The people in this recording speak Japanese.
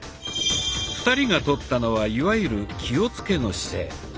２人がとったのはいわゆる「気をつけ」の姿勢。